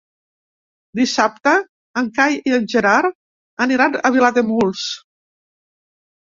Dissabte en Cai i en Gerard aniran a Vilademuls.